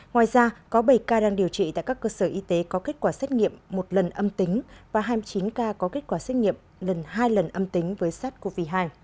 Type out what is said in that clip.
ngoài ra có bảy ca đang điều trị tại các cơ sở y tế có kết quả xét nghiệm một lần âm tính và hai mươi chín ca có kết quả xét nghiệm lần hai lần âm tính với sars cov hai